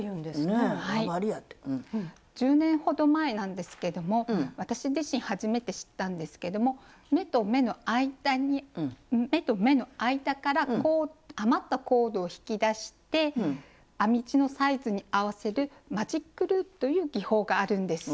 １０年ほど前なんですけども私自身初めて知ったんですけども目と目の間から余ったコードを引き出して編み地のサイズに合わせる「マジックループ」という技法があるんです。